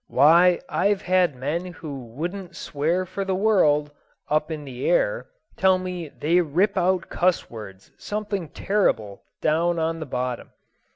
Why, I've had men who wouldn't swear for the world up in the air tell me they rip out cuss words something terrible down on the bottom.